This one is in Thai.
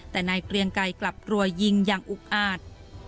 แต่นายเกรียงไกรกลับรวยยิงอย่างอุกอาจ